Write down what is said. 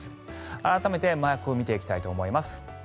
改めてマークを見ていきたいと思います。